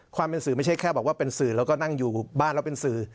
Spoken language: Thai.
ความเป็นสื่อไม่ใช่แค่บอกว่าเป็นสื่อแล้วก็นั่งอยู่บ้านแล้วเป็นสื่อ